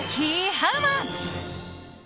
ハウマッチ。